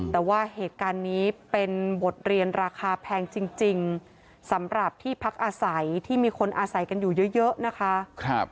แต่ว่าเหตุการณ์นี้เป็นบทเรียนราคาแพงจริงสำหรับที่พักอาศัยที่มีคนอาศัยกันอยู่เยอะนะคะ